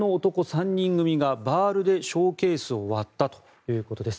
３人組がバールでショーケースを割ったということです。